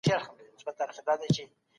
نن سبا ځوانان د حالاتو متن ته په غور ګوري.